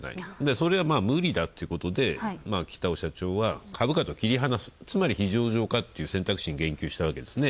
それは無理だっていうことで北尾社長は株価と切り離すつまり非上場化に言及したわけですね。